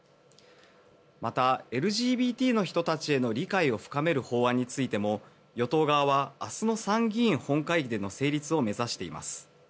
また、ＬＧＢＴの人たちへの理解を深める法案についても与党側は明日の参議院本会議での成立を目指しています。